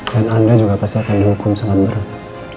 dan anda juga pasti akan dihukum sangat berat